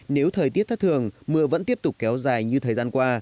nếu thời tiết thất thường mưa vẫn tiếp tục kéo dài như thời gian qua